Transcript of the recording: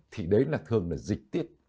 thì đấy là thường là dịch tiết